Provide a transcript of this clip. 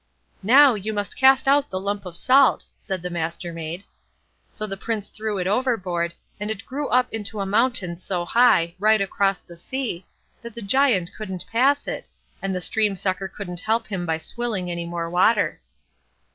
"Now, you must cast out the lump of salt", said the Mastermaid. So the Prince threw it overboard, and it grew up into a mountain so high, right across the sea, that the Giant couldn't pass it, and the stream sucker couldn't help him by swilling any more water.